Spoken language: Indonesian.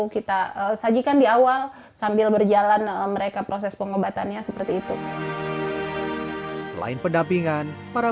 kita sajikan di awal sambil berjalan mereka proses pengobatannya seperti itu selain pendampingan para